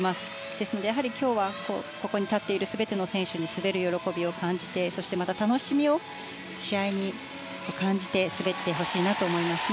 ですので、今日はここに立っている全ての選手に滑る喜びを感じてまた楽しみを試合に感じて滑ってほしいなと思います。